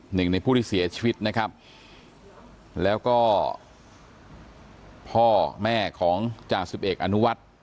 หนึ่งในผู้ที่เสียชีวิตนะครับแล้วก็พ่อแม่ของจ่าสิบเอกอนุวัฒน์